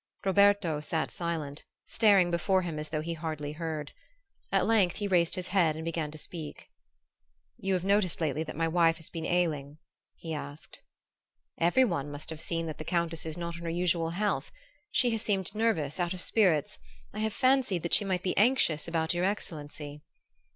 Roberto sat silent, staring before him as though he hardly heard. At length he raised his head and began to speak. "You have noticed lately that my wife has been ailing?" he asked. "Every one must have seen that the Countess is not in her usual health. She has seemed nervous, out of spirits I have fancied that she might be anxious about your excellency."